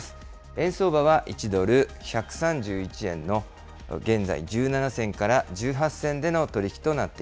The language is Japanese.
円相場は１ドル１３１円の現在１７銭から１８銭での取り引きとな